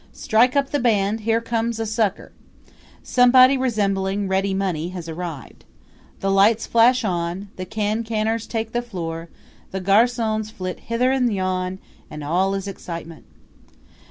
Strike up the band; here comes a sucker! Somebody resembling ready money has arrived. The lights flash on, the can canners take the floor, the garcons flit hither and yon, and all is excitement.